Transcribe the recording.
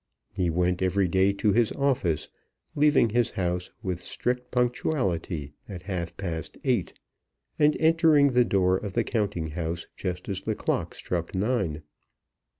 He went every day to his office, leaving his house with strict punctuality at half past eight, and entering the door of the counting house just as the clock struck nine.